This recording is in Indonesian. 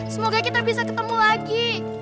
semoga kita bisa ketemu lagi